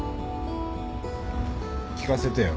聞かせてよ。